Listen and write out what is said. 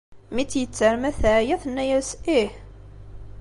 Mi tt-yetter ma teɛya, tenna-as ih.